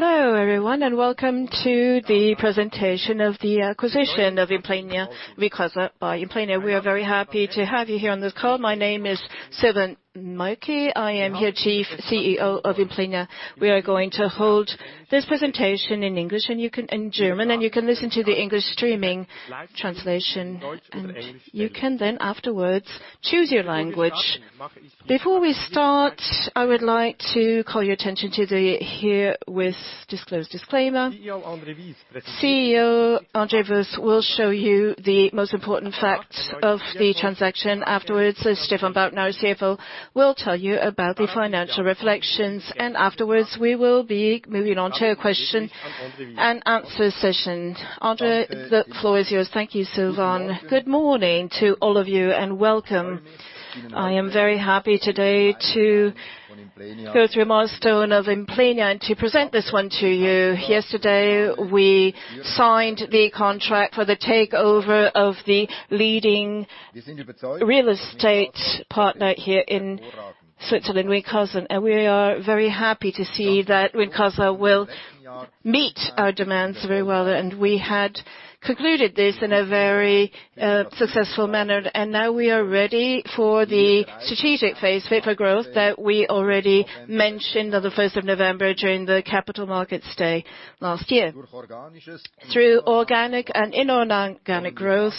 Hello everyone, welcome to the presentation of the acquisition of Implenia, Wincasa by Implenia. We are very happy to have you here on this call. My name is Silvan Merki. I am your Chief CEO of Implenia. We are going to hold this presentation in English, in German, you can listen to the English streaming translation, you can then afterwards choose your language. Before we start, I would like to call your attention to the herewith disclosed disclaimer. CEO André Wyss will show you the most important facts of the transaction. Afterwards, Stefan Baumgärtner, our CFO, will tell you about the financial reflections, afterwards, we will be moving on to a question and answer session. André, the floor is yours. Thank you, Silvan. Good morning to all of you, welcome. I am very happy today to go through a milestone of Implenia and to present this one to you. Yesterday, we signed the contract for the takeover of the leading real estate partner here in Switzerland, Wincasa, and we are very happy to see that Wincasa will meet our demands very well. We had concluded this in a very successful manner. Now we are ready for the strategic phase, Fit-for-Growth, that we already mentioned on the first of November during the capital markets day last year. Through organic and inorganic growth,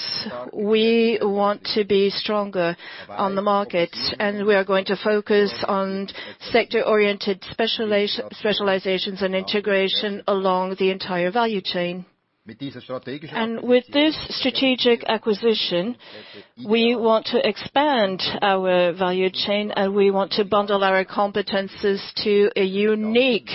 we want to be stronger on the market, and we are going to focus on sector-oriented specializations and integration along the entire value chain. With this strategic acquisition, we want to expand our value chain, and we want to bundle our competencies to a unique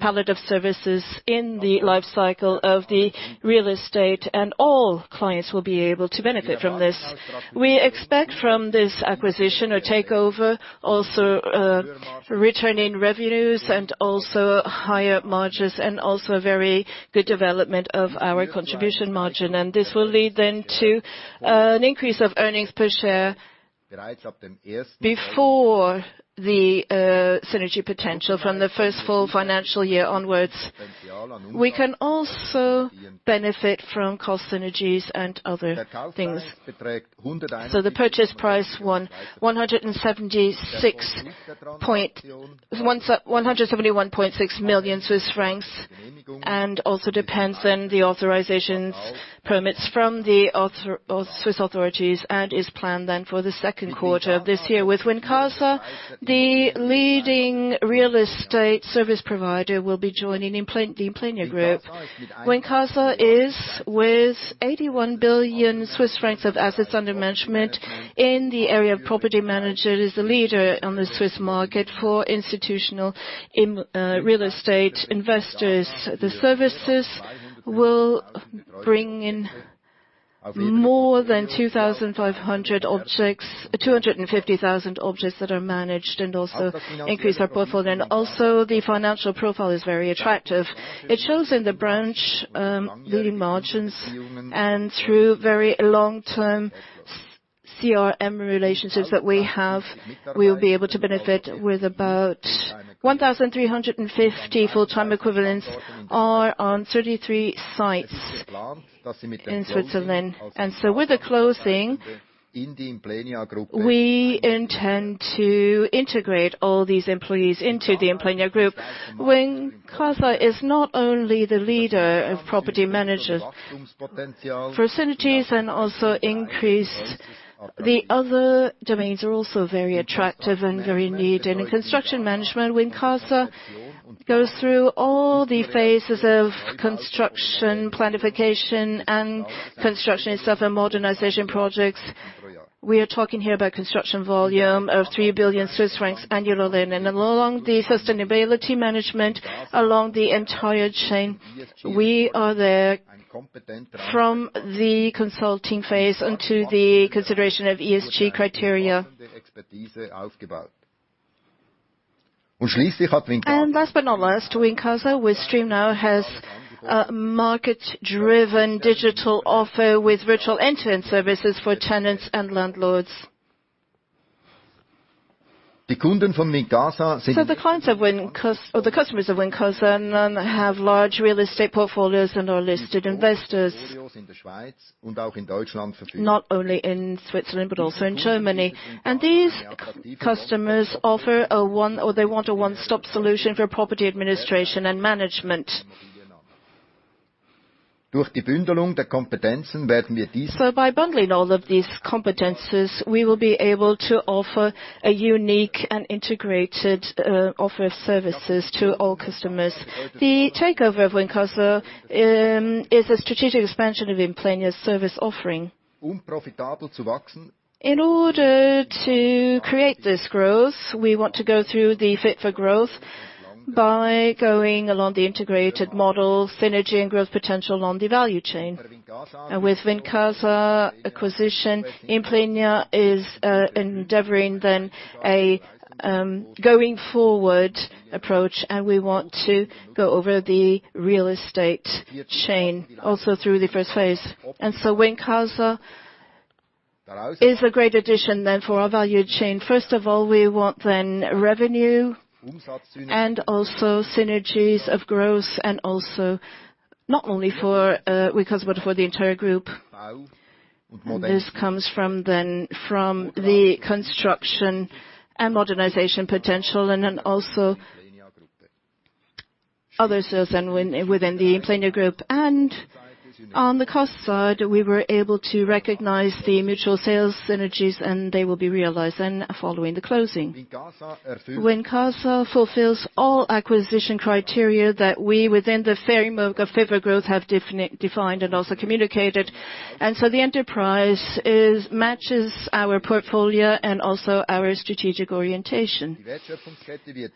palette of services in the life cycle of the real estate, and all clients will be able to benefit from this. We expect from this acquisition or takeover also, returning revenues and also higher margins and also a very good development of our contribution margin. This will lead then to an increase of earnings per share before the synergy potential from the first full financial year onwards. We can also benefit from cost synergies and other things. The purchase price won 171.6 million Swiss francs, and also depends on the authorizations permits from the Swiss authorities and is planned then for the second quarter of this year. Wincasa, the leading real estate service provider will be joining Implenia Group. Wincasa is, with 81 billion Swiss francs of assets under management in the area of property managers, is the leader on the Swiss market for institutional real estate investors. The services will bring in more than 250,000 objects that are managed and also increase our portfolio. The financial profile is very attractive. It shows in the branch leading margins. Through very long-term CRM relationships that we have, we will be able to benefit with about 1,350 full-time equivalents are on 33 sites in Switzerland. With the closing, we intend to integrate all these employees into the Implenia Group. Wincasa is not only the leader of property managers for synergies. The other domains are also very attractive and very needed. In construction management, Wincasa goes through all the phases of construction, planification, and construction itself and modernization projects. We are talking here about construction volume of 3 billion Swiss francs annually. Along the sustainability management, along the entire chain, we are there from the consulting phase onto the consideration of ESG criteria. Last but not least, Wincasa, with Streamnow, has a market-driven digital offer with virtual entrance services for tenants and landlords. The clients of Wincasa or the customers of Wincasa have large real estate portfolios and are listed investors. Not only in Switzerland, but also in Germany. These customers offer or they want a one-stop solution for property administration and management. By bundling all of these competencies, we will be able to offer a unique and integrated offer of services to all customers. The takeover of Wincasa is a strategic expansion of Implenia's service offering. In order to create this growth, we want to go through the Fit-for-Growth by going along the integrated model synergy and growth potential along the value chain. With Wincasa acquisition, Implenia is endeavoring then a going forward approach, and we want to go over the real estate chain also through the first phase. Wincasa is a great addition then for our value chain. We want then revenue and also synergies of growth, and also not only for Wincasa, but for the entire group. This comes from then, from the construction and modernization potential, and then also other sales then within the Implenia Group. On the cost side, we were able to recognize the mutual sales synergies, and they will be realized then following the closing. Wincasa fulfills all acquisition criteria that we, within the framework of Fit-for-Growth have defined and also communicated. The enterprise matches our portfolio and also its strategic orientation.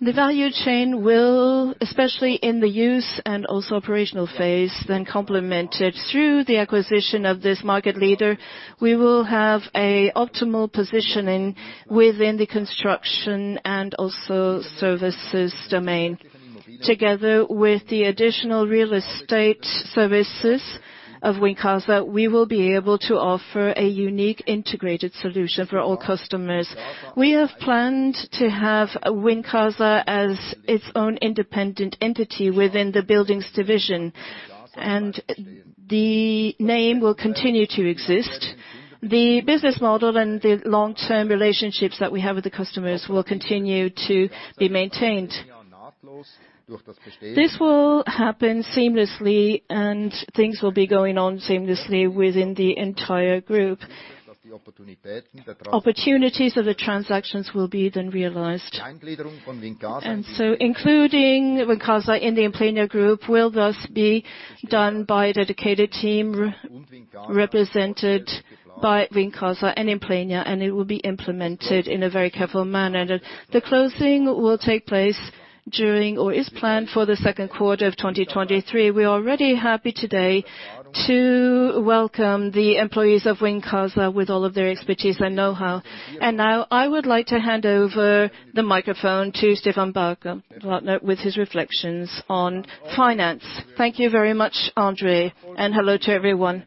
The value chain will, especially in the use and also operational phase, then complemented through the acquisition of this market leader, we will have a optimal positioning within the construction and also services domain. Together with the additional real estate services of Wincasa, we will be able to offer a unique integrated solution for all customers. We have planned to have Wincasa as its own independent entity within the buildings division, and the name will continue to exist. The business model and the long-term relationships that we have with the customers will continue to be maintained. This will happen seamlessly, and things will be going on seamlessly within the entire group. Opportunities of the transactions will be then realized. Including Wincasa in the Implenia Group will thus be done by a dedicated team represented by Wincasa and Implenia, and it will be implemented in a very careful manner. The closing will take place during, or is planned for the second quarter of 2023. We are already happy today to welcome the employees of Wincasa with all of their expertise and know-how. Now I would like to hand over the microphone to Stefan Baumgärtner, partner, with his reflections on finance. Thank you very much, André, and hello to everyone.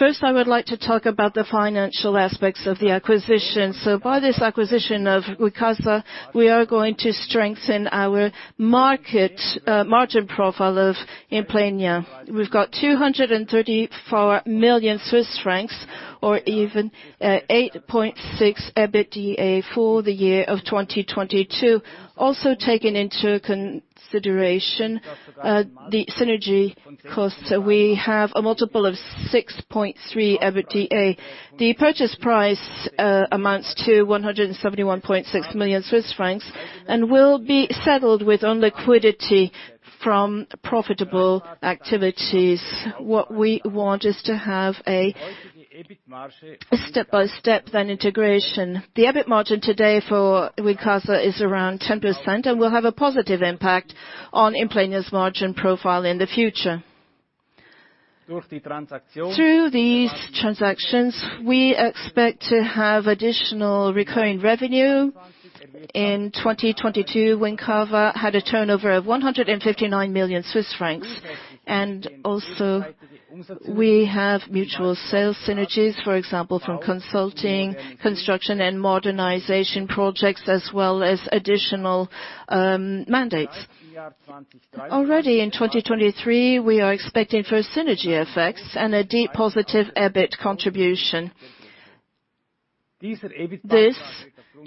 First, I would like to talk about the financial aspects of the acquisition. By this acquisition of Wincasa, we are going to strengthen our market margin profile of Implenia. We've got 234 million Swiss francs, or even 8.6x EBITDA for the year of 2022. Also taking into consideration the synergy costs, we have a multiple of 6.3 EBITDA. The purchase price amounts to 171.6 million Swiss francs, and will be settled with own liquidity from profitable activities. What we want is to have a step-by-step then integration. The EBIT margin today for Wincasa is around 10% and will have a positive impact on Implenia's margin profile in the future. Through these transactions, we expect to have additional recurring revenue. In 2022, Wincasa had a turnover of 159 million Swiss francs. Also we have mutual sales synergies, for example, from consulting, construction, and modernization projects, as well as additional mandates. Already in 2023, we are expecting first synergy effects and a deep positive EBIT contribution. This,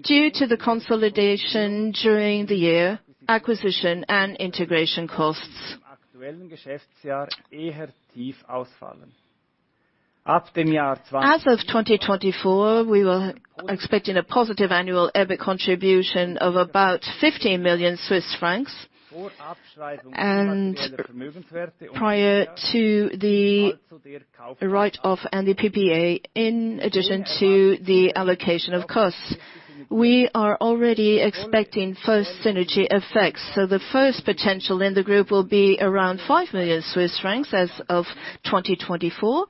due to the consolidation during the year, acquisition and integration costs. As of 2024, we will expecting a positive annual EBIT contribution of about 50 million Swiss francs. Prior to the write-off and the PPA, in addition to the allocation of costs, we are already expecting first synergy effects. The first potential in the group will be around 5 million Swiss francs as of 2024,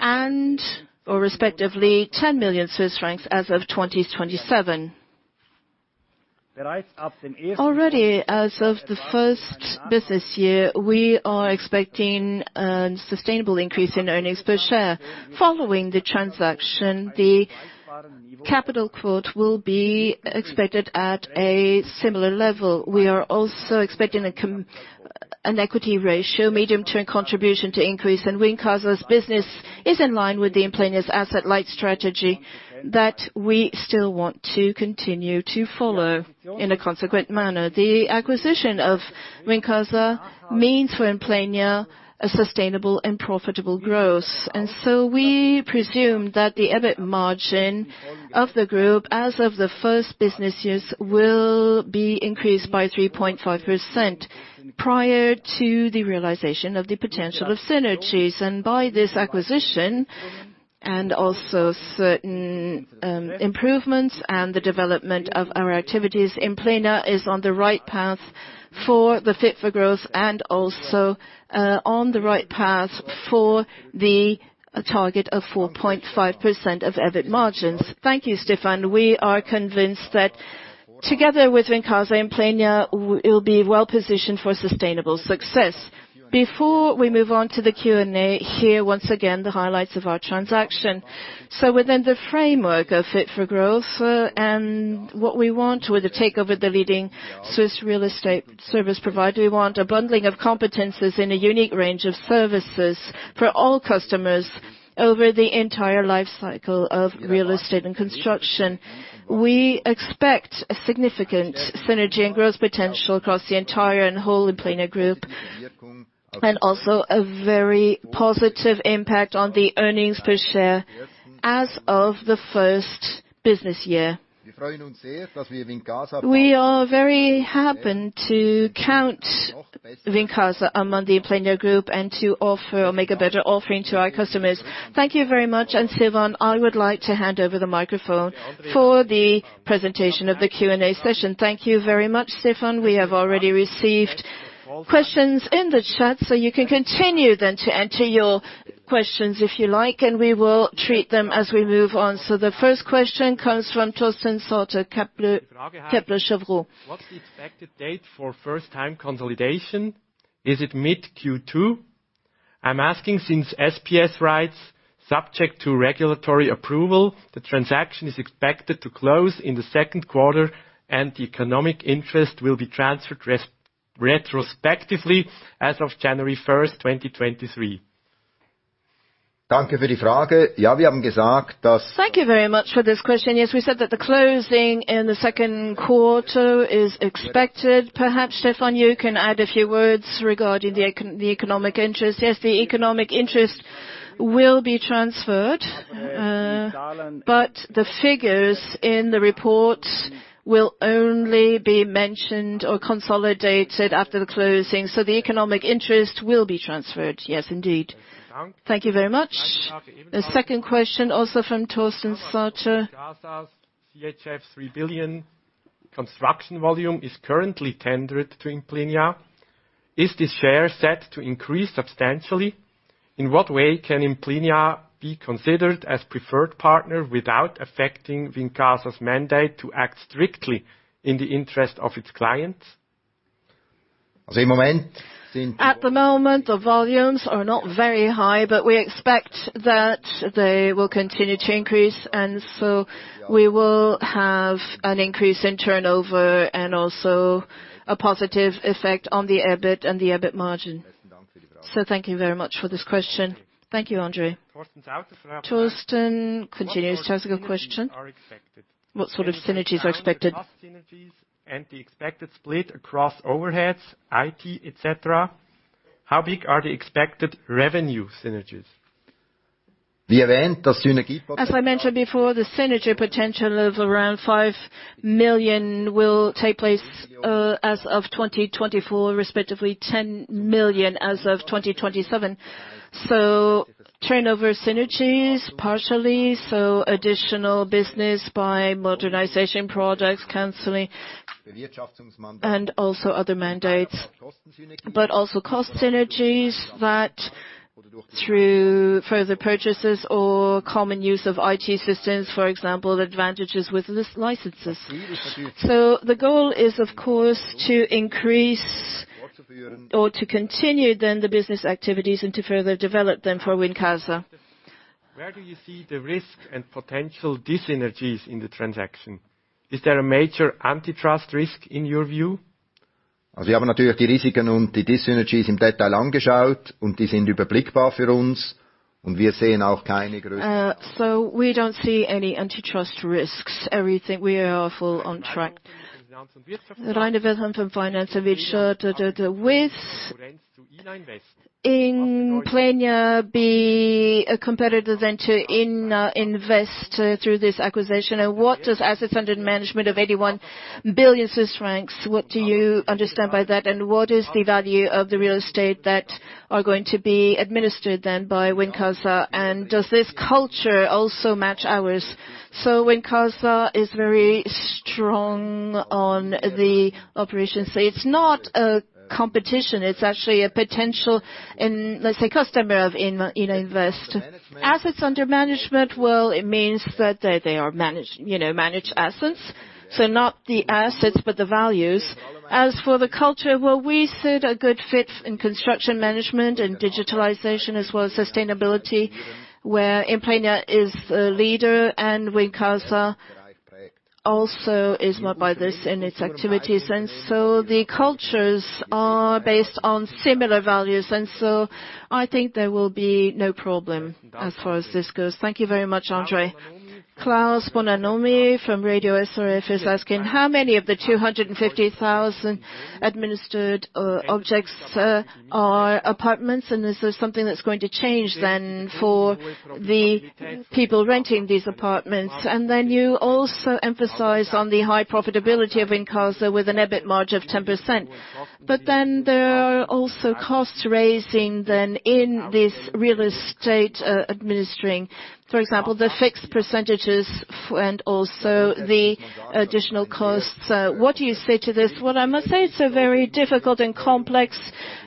and, or respectively, 10 million Swiss francs as of 2027. Already as of the first business year, we are expecting an sustainable increase in earnings per share. Following the transaction, the capital quote will be expected at a similar level. We are also expecting a. An equity ratio, medium-term contribution to increase, and Wincasa's business is in line with the Implenia's asset light strategy that we still want to continue to follow in a consequent manner. The acquisition of Wincasa means for Implenia a sustainable and profitable growth. We presume that the EBIT margin of the group as of the first business years will be increased by 3.5% prior to the realization of the potential of synergies. By this acquisition, and also certain improvements and the development of our activities, Implenia is on the right path for the Fit for Growth and also on the right path for the target of 4.5% of EBIT margins. Thank you, Stefan. We are convinced that together with Wincasa and Implenia, it will be well-positioned for sustainable success. Before we move on to the Q&A, here once again, the highlights of our transaction. Within the framework of Fit for Growth, and what we want with the takeover the leading Swiss real estate service provider, we want a bundling of competencies in a unique range of services for all customers over the entire life cycle of real estate and construction. We expect a significant synergy and growth potential across the entire and whole Implenia Group, and also a very positive impact on the earnings per share as of the first business year. We are very happy to count Wincasa among the Implenia Group and to offer or make a better offering to our customers. Thank you very much. Stefan, I would like to hand over the microphone for the presentation of the Q&A session. Thank you very much, Stefan. We have already received questions in the chat, so you can continue then to enter your questions if you like, and we will treat them as we move on. The first question comes from Torsten Sauter, Kepler Cheuvreux. What's the expected date for first time consolidation? Is it mid Q2? I'm asking since SPS writes, subject to regulatory approval, the transaction is expected to close in the second quarter and the economic interest will be transferred retrospectively as of January first, 2023. Thank you very much for this question. Yes, we said that the closing in the second quarter is expected. Perhaps, Stefan, you can add a few words regarding the economic interest. Yes, the economic interest will be transferred, but the figures in the report will only be mentioned or consolidated after the closing. The economic interest will be transferred. Yes, indeed. Thank you very much. A second question, also from Torsten Sauter. Wincasa's CHF 3 billion construction volume is currently tendered to Implenia. Is this share set to increase substantially? In what way can Implenia be considered as preferred partner without affecting Wincasa's mandate to act strictly in the interest of its clients? At the moment, the volumes are not very high. We expect that they will continue to increase. We will have an increase in turnover and also a positive effect on the EBIT and the EBIT margin. Thank you very much for this question. Thank you, André. Torsten continues to ask a question. What sort of synergies are expected? What sort of synergies are expected? Can you define the cost synergies and the expected split across overheads, IT, et cetera? How big are the expected revenue synergies? As I mentioned before, the synergy potential of around 5 million will take place as of 2024, respectively 10 million as of 2027. Turnover synergies, partially, so additional business by modernization projects, counseling, and also other mandates. Also cost synergies that through further purchases or common use of IT systems, for example, advantages with licenses. The goal is, of course, to increase or to continue then the business activities and to further develop them for Wincasa. Where do you see the risk and potential dis-synergies in the transaction? Is there a major antitrust risk in your view? We don't see any antitrust risks. Everything, we are full on track. Reiner Wilson from Finance, with Implenia be a competitor then to Ina Invest through this acquisition, and what does assets under management of 81 billion Swiss francs, what do you understand by that, and what is the value of the real estate that are going to be administered then by Wincasa? Does this culture also match ours? Wincasa is very strong on the operations. It's not a competition. It's actually a potential, let's say, customer of Ina Invest. Assets under management, well, it means that they are managed, you know, managed assets. Not the assets, but the values. As for the culture, well, we said a good fit in construction management and digitalization, as well as sustainability, where Implenia is a leader and Wincasa also is led by this in its activities. The cultures are based on similar values. I think there will be no problem as far as this goes. Thank you very much, Andre. Klaus Bonanomi from Radio SRF is asking, "How many of the 250,000 administered objects are apartments, and is there something that's going to change then for the people renting these apartments?" You also emphasize on the high profitability of Wincasa with an EBIT margin of 10%. There are also costs raising than in this real estate administering, for example, the fixed percentages and also the additional costs. What do you say to this? I must say it's a very difficult and complex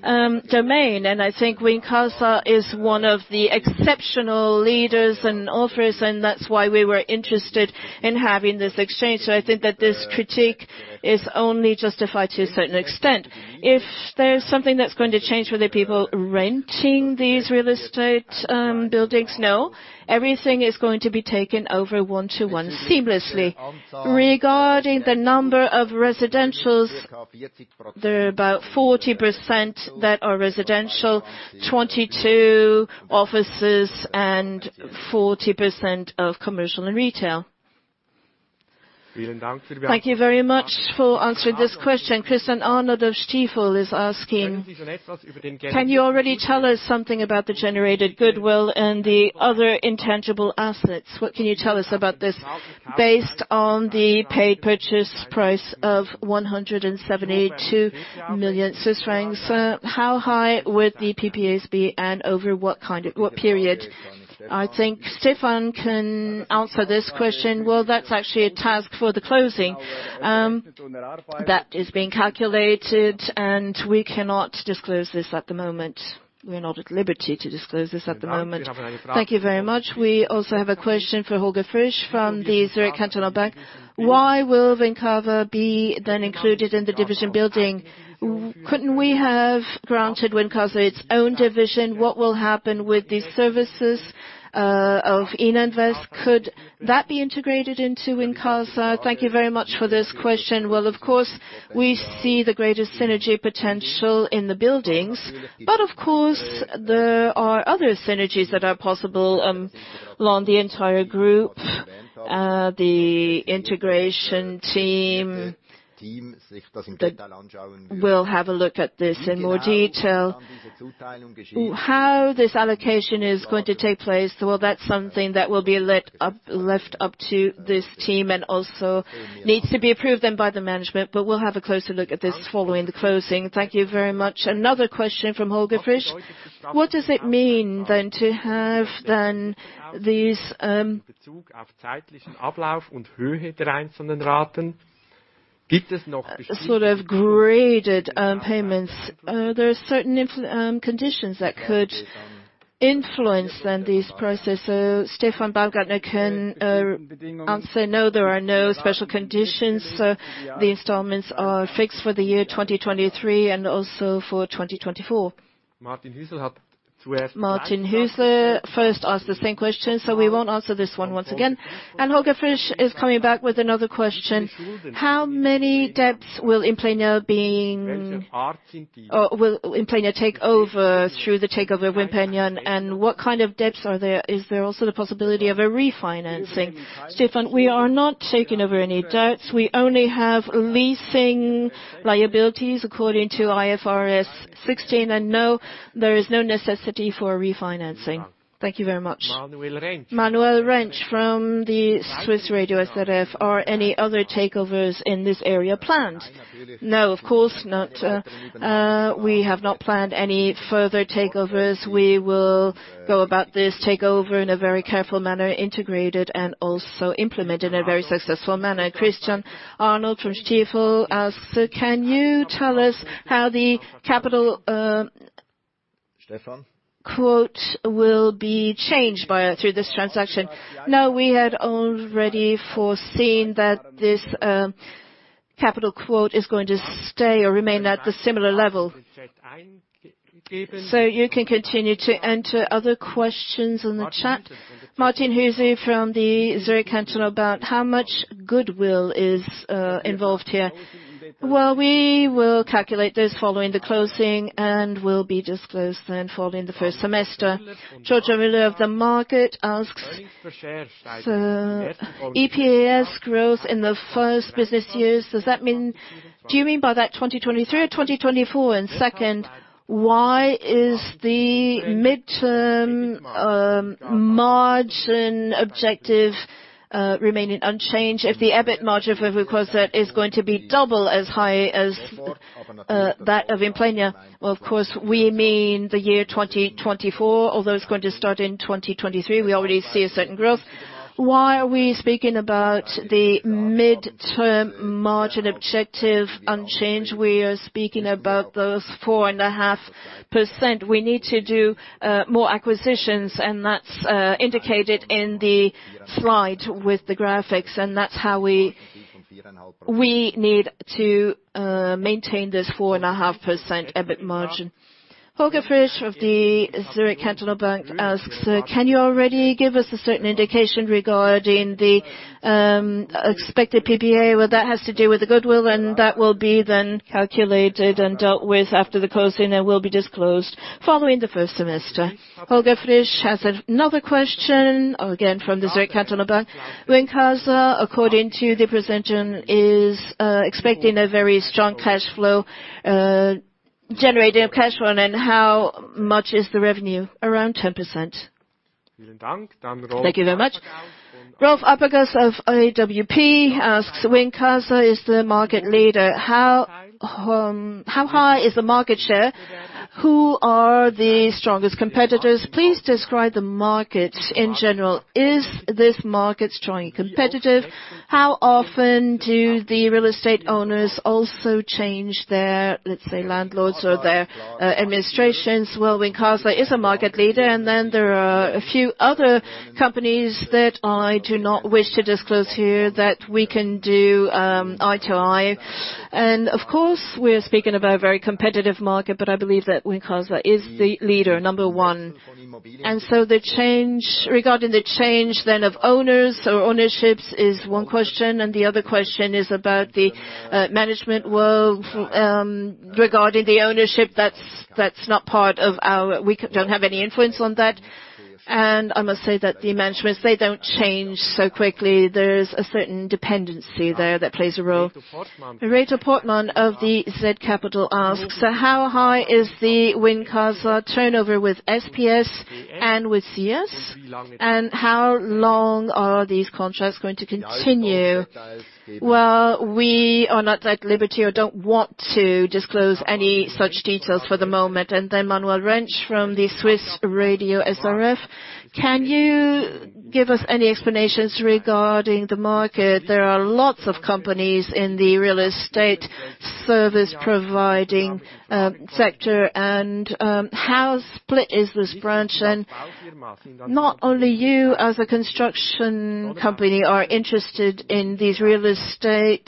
domain, and I think Wincasa is one of the exceptional leaders and authors, and that's why we were interested in having this exchange. I think that this critique is only justified to a certain extent. If there's something that's going to change for the people renting these real estate buildings, no. Everything is going to be taken over one-to-one seamlessly. Regarding the number of residentials, there are about 40% that are residential, 22 offices, and 40% of commercial and retail. Thank you very much for answering this question. Christian Arnold of Stifel is asking, "Can you already tell us something about the generated goodwill and the other intangible assets? What can you tell us about this based on the paid purchase price of 172 million? How high would the PPAs be, and over what kind of, what period?" I think Stefan can answer this question. Well, that's actually a task for the closing that is being calculated, and we cannot disclose this at the moment. We are not at liberty to disclose this at the moment. Thank you very much. We also have a question for Holger Frisch from the Zurich Cantonal Bank. "Why will Wincasa be then included in the division building? Couldn't we have granted Wincasa its own division? What will happen with the services of Ina Invest? Could that be integrated into Wincasa?" Thank you very much for this question. Well, of course, we see the greatest synergy potential in the buildings, but of course there are other synergies that are possible along the entire group. The integration team that will have a look at this in more detail. How this allocation is going to take place, well, that's something that will be left up to this team and also needs to be approved then by the management, but we'll have a closer look at this following the closing. Thank you very much. Another question from Holger Frisch. "What does it mean then to have then these sort of graded payments? There are certain conditions that could influence then these processes." Stefan Baumgärtner can answer. No, there are no special conditions. The installments are fixed for the year 2023 and also for 2024. Martin Hüsler first asked the same question, so we won't answer this one once again. Holger Frisch is coming back with another question. "How many debts will Implenia take over through the takeover of Implenia? And what kind of debts are there? Is there also the possibility of a refinancing? Stefan, we are not taking over any debts. We only have leasing liabilities according to IFRS 16. No, there is no necessity for refinancing. Thank you very much. Manuel Rentsch from Radio SRF, "Are any other takeovers in this area planned?" No, of course not. We have not planned any further takeovers. We will go about this takeover in a very careful manner, integrate it, and also implement in a very successful manner. Christian Arnold from Stifel asks, "Can you tell us how the capital quote will be changed through this transaction?" No, we had already foreseen that this capital quote is going to stay or remain at the similar level. You can continue to enter other questions in the chat. Martin Hüsler from the Zurich Cantonal about how much goodwill is involved here. We will calculate this following the closing, and will be disclosed then following the first semester. Giorgio Müller of The Market asks, "EPS growth in the first business years, do you mean by that 2023 or 2024? Second, why is the midterm margin objective remaining unchanged if the EBIT margin for Wincasa is going to be double as high as that of Implenia?" Of course, we mean the year 2024, although it's going to start in 2023. We already see a certain growth. Why are we speaking about the midterm margin objective unchanged? We are speaking about those 4.5%. We need to do more acquisitions, and that's indicated in the slide with the graphics, and that's how we need to maintain this 4.5% EBIT margin. Holger Frisch of the Zurich Cantonal Bank asks, "Can you already give us a certain indication regarding the expected PPA?" That has to do with the goodwill, and that will be then calculated and dealt with after the closing, and will be disclosed following the first semester. Holger Frisch has another question, again from the Zurich Cantonal Bank. "Wincasa, according to the presentation, is expecting a very strong cash flow, generating of cash flow, how much is the revenue? Around 10%." Thank you very much. Rolf Aebersold of AWP asks, "Wincasa is the market leader. How high is the market share? Who are the strongest competitors? Please describe the market in general. Is this market strongly competitive? How often do the real estate owners also change their, let's say, landlords or their administrations? Well, Wincasa is a market leader, and then there are a few other companies that I do not wish to disclose here that we can do eye-to-eye. Of course, we are speaking about a very competitive market, but I believe that Wincasa is the leader, number one. The change, regarding the change then of owners or ownerships is one question, and the other question is about the management. Well, regarding the ownership, that's not part of our. We don't have any influence on that. I must say that the management, they don't change so quickly. There's a certain dependency there that plays a role. Reto Portmann of the zCapital asks, "How high is the Wincasa turnover with SPS and with CS, and how long are these contracts going to continue?" We are not at liberty, or don't want to disclose any such details for the moment. Manuel Rentsch from Radio SRF: "Can you give us any explanations regarding the market? There are lots of companies in the real estate service providing sector, and how split is this branch? Not only you as a construction company are interested in these real estate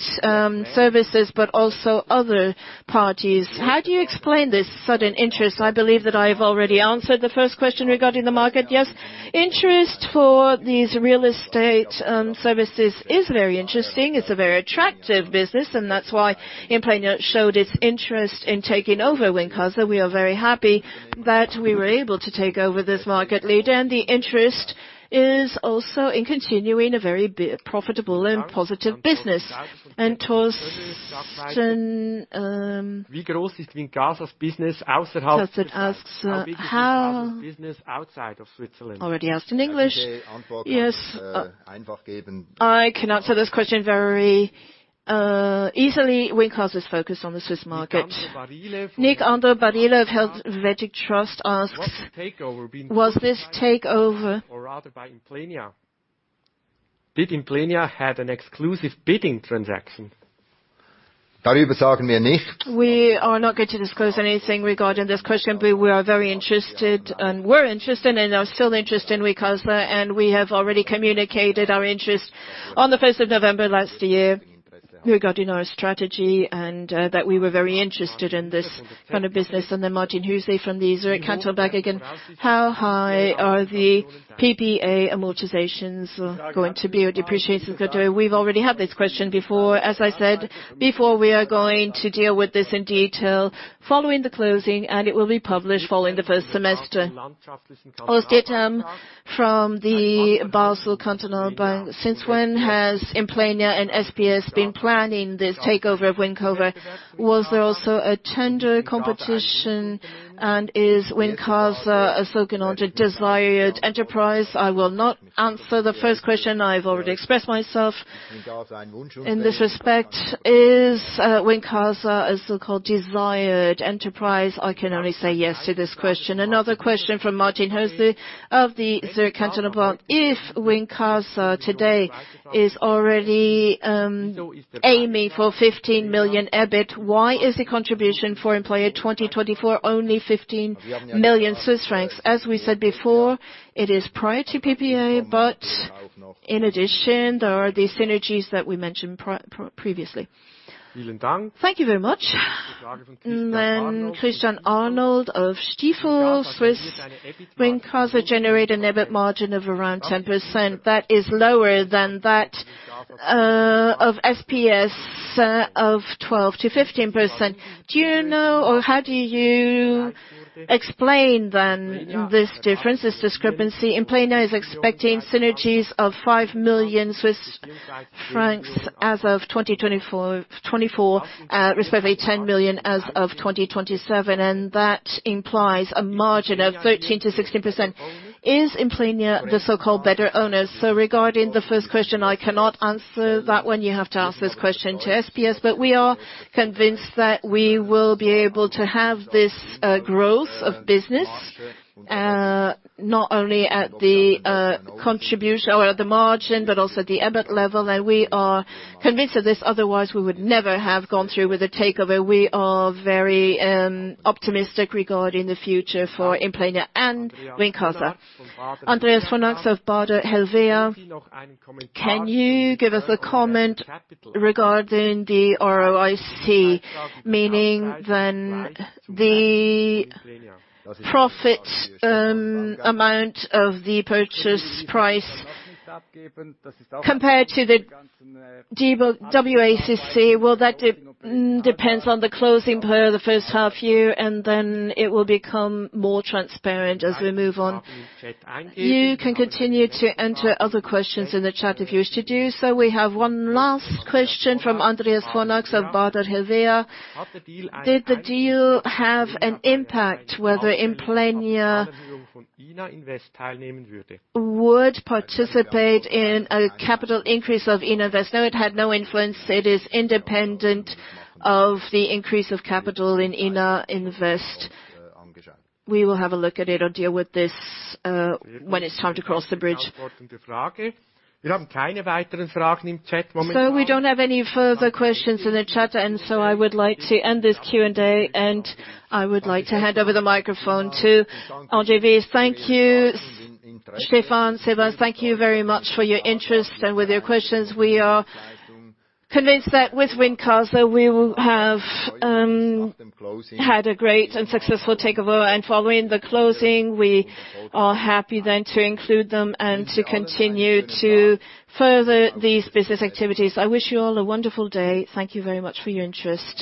services, but also other parties. How do you explain this sudden interest?" I believe that I've already answered the first question regarding the market. Yes, interest for these real estate services is very interesting. It's a very attractive business, and that's why Implenia showed its interest in taking over Wincasa. We are very happy that we were able to take over this market leader. The interest is also in continuing a very profitable and positive business. Torsten asks. How big is Wincasa's business outside of Switzerland? Already asked in English. Yes. I can answer this question very easily. Wincasa is focused on the Swiss market. Nick Andre Barile. Nick Andre Barile of Helvetia Trust asks. Was the takeover being pushed by Implenia or rather by Implenia? Did Implenia have an exclusive bidding transaction? We are not going to disclose anything regarding this question, but we are very interested, and were interested, and are still interested in Wincasa. We have already communicated our interest on the first of November last year regarding our strategy, and that we were very interested in this kind of business. Martin Hüsler from the Zurich Cantonal Bank again: "How high are the PPA amortizations going to be, or depreciations going to be?" We've already had this question before. As I said before, we are going to deal with this in detail following the closing. It will be published following the first semester. Horst Diethelm from the Basel Cantonal Bank: "Since when has Implenia and SPS been planning this takeover of Wincasa? Was there also a tender competition, and is Wincasa a so-called desired enterprise?" I will not answer the first question. I've already expressed myself in this respect. Is Wincasa a so-called desired enterprise? I can only say yes to this question. Another question from Martin Hussey of the Zurich Cantonal Bank: "If Wincasa today is already aiming for 15 million EBIT, why is the contribution for Implenia 2024 only 15 million Swiss francs?" As we said before, it is prior to PPA, in addition, there are the synergies that we mentioned previously. Thank you very much. Then Christian Arnold of Stifel: "Will Wincasa generate an EBIT margin of around 10%? That is lower than that of SPS of 12%-15%. Do you know, or how do you explain then this difference, this discrepancy?" Implenia is expecting synergies of 5 million Swiss francs as of 2024... CHF 24 million, respectively 10 million as of 2027, that implies a margin of 13%-16%. Is Implenia the so-called better owner? Regarding the first question, I cannot answer that one. You have to ask this question to SPS. We are convinced that we will be able to have this growth of business not only at the contribution or the margin, but also at the EBIT level. We are convinced of this, otherwise we would never have gone through with the takeover. We are very optimistic regarding the future for Implenia and Wincasa. Can you give us a comment regarding the ROIC? Meaning then the profit, amount of the purchase price compared to the WACC? Well, that depends on the closing per the first half year, and then it will become more transparent as we move on. You can continue to enter other questions in the chat if you wish to do so. We have one last question from Andreas von Arx of Baader Helvea: "Did the deal have an impact whether Implenia would participate in a capital increase of Ina Invest?" No, it had no influence. It is independent of the increase of capital in Ina Invest. We will have a look at it or deal with this when it's time to cross the bridge. We don't have any further questions in the chat. I would like to end this Q&A. I would like to hand over the microphone to André Wyss. Thank you, Stefan, Sebastian. Thank you very much for your interest and with your questions. We are convinced that with Wincasa, we will have had a great and successful takeover. Following the closing, we are happy then to include them and to continue to further these business activities. I wish you all a wonderful day. Thank you very much for your interest.